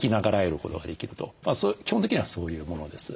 基本的にはそういうものです。